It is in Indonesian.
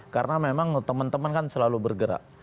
karena memang teman teman kan selalu bergerak